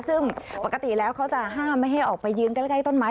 ซึ่งปกติแล้วเขาจะห้ามไม่ให้ออกไปยืนใกล้ต้นไม้